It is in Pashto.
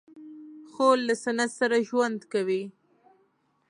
خور له سنت سره ژوند کوي.